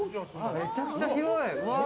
めちゃくちゃ広い！